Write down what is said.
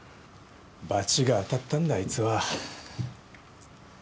バチが当たったんだあいつは。